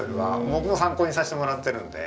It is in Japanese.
僕も参考にさせてもらってるので。